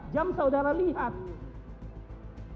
jam saudara lihat